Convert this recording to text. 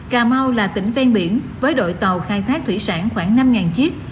cà mau là tỉnh ven biển với đội tàu khai thác thủy sản khoảng năm chiếc